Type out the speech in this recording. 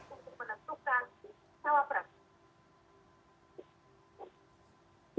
untuk menentukan cawapres